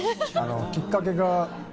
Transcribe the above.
きっかけが。